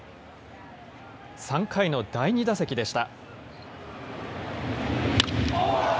３回の第２打席でした。